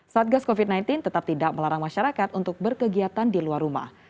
satgas covid sembilan belas tetap tidak melarang masyarakat untuk berkegiatan di luar rumah